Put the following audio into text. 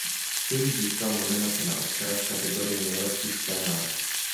Film získal nominaci na Oscara v kategorii nejlepší scénář.